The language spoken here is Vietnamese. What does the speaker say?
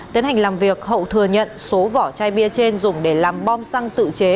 tiến hành làm việc hậu thừa nhận số vỏ chai bia trên dùng để làm bom xăng tự chế